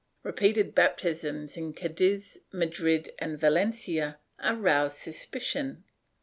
Repeated baptisms in Cadiz, Madrid and Valencia aroused suspicion.